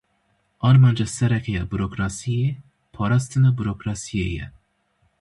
Armanca sereke ya burokrasiyê, parastina burokrasiyê ye.